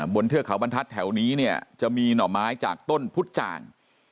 เทือกเขาบรรทัศน์แถวนี้เนี่ยจะมีหน่อไม้จากต้นพุทธจ่าง